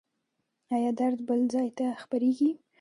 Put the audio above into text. ایا درد بل ځای ته خپریږي؟